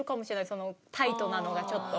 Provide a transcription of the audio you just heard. そのタイトなのがちょっと。